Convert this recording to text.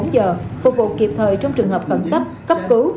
làm kịp thời trong trường hợp cẩn cấp cấp cứu